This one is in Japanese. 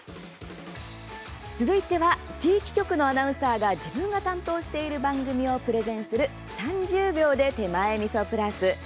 続いては地域局のアナウンサーが自分が担当している番組をプレゼンする「３０秒で手前みそプラス」。